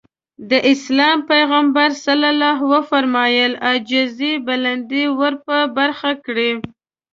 د اسلام پيغمبر ص وفرمايل عاجزي بلندي ورپه برخه کړي.